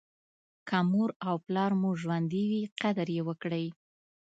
که مور او پلار مو ژوندي وي قدر یې وکړئ.